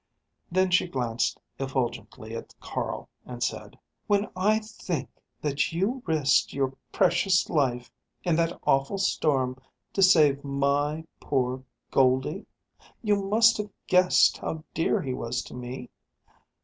Then she glanced effulgently at Carl and said, "When I think that you risked your precious life, in that awful storm, to save my poor Goldie?... You must have guessed how dear he was to me?...